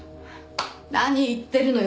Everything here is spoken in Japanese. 何言ってるのよ。